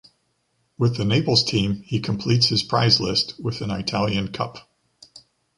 With the Naples team, he completes his prize list with an Italian Cup.